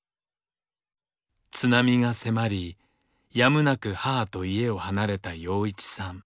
津波が迫りやむなく母と家を離れた陽一さん。